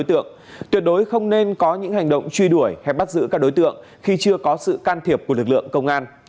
tuyệt đối không nên có những hành động truy đuổi hay bắt giữ các đối tượng khi chưa có sự can thiệp của lực lượng công an